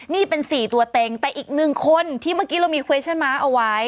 นี่เป็น๔ตัวเต็งแต่อีกหนึ่งคนที่เมื่อกี้เรามีเวชั่นมาร์คเอาไว้